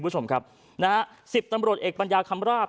๑๐ตำรวจเอ็กภ์ปัญญาคำราบ